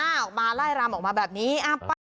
ออกมาไล่รำออกมาแบบนี้